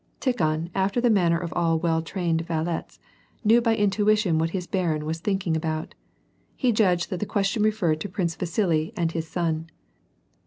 Tikhon, after the manner of all well trained valets, knew by intuition what his barin was thinking about. He judged that the question referred to Prince Vasili and his son.